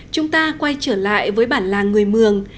chúng ta quay trở lại với bản làng người mường